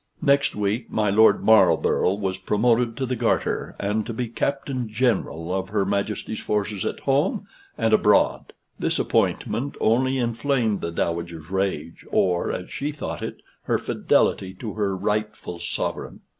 Next week my Lord Marlborough was promoted to the Garter, and to be Captain General of her Majesty's forces at home and abroad. This appointment only inflamed the Dowager's rage, or, as she thought it, her fidelity to her rightful sovereign.